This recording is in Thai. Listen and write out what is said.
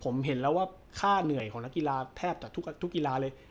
ผมเห็นแล้วว่าค่าเหนื่อยของนักกีฬาแทบจากทุกกีฬาเลย